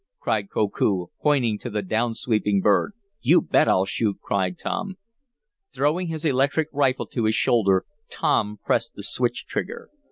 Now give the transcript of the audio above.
cried Koku, pointing to the down sweeping bird. "You bet I'll shoot!" cried Tom. Throwing his electric rifle to his shoulder, Tom pressed the switch trigger.